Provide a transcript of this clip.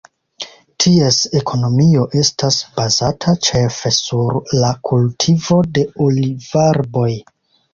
Ties ekonomio estas bazata ĉefe sur la kultivo de olivarboj.